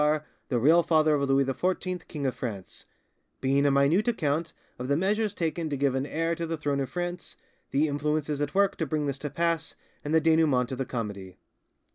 D. R., the Real Father of Louis XIV, King of France; being a Minute Account of the Measures taken to give an Heir to the Throne of France, the Influences at Work to bring this to pass, and the Denoument of the Comedy'.